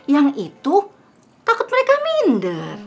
yang itu takut mereka minder